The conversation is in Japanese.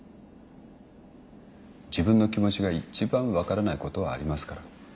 自分の気持ちが一番分からないことはありますから。